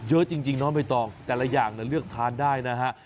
เยอะจริงจริงนอนไม่ต้องแต่ละอย่างนะเลือกทานได้นะฮะ